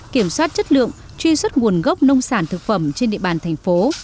kiểm soát chất lượng truy xuất nguồn gốc nông sản thực phẩm trên địa bàn thành phố